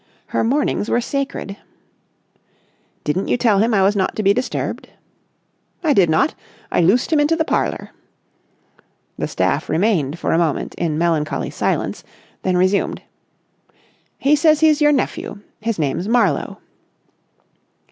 Her mornings were sacred. "Didn't you tell him I was not to be disturbed?" "I did not. I loosed him into the parlour." The staff remained for a moment in melancholy silence, then resumed. "He says he's your nephew. His name's Marlowe."